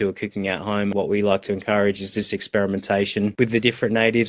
apa yang kami inginkan untuk mengucapkan adalah eksperimentasi dengan negara negara yang berbeda